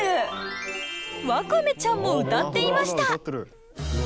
ワカメちゃんも歌っていました！